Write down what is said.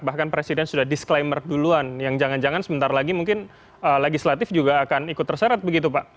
bahkan presiden sudah disclaimer duluan yang jangan jangan sebentar lagi mungkin legislatif juga akan ikut terseret begitu pak